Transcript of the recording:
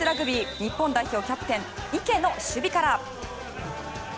日本代表キャプテン池の守備から。